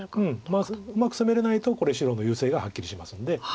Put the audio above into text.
うまく攻めれないとこれ白の優勢がはっきりしますんで。